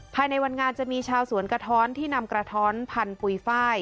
ภายในวันงานจะมีชาวสวนกระท้อนที่นำกระท้อนพันปุ๋ยไฟล